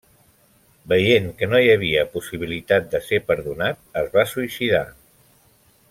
Veient que no hi havia possibilitat de ser perdonat es va suïcidar.